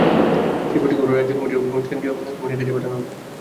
সেই বৈঠকের পরেই রাজ্য কমিটির অভিমত কেন্দ্রীয় কমিটির কাছে পাঠানো হবে।